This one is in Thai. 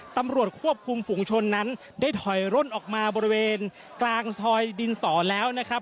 ตำรวจควบคุมฝุงชนนั้นได้ถอยร่นออกมาบริเวณกลางซอยดินสอแล้วนะครับ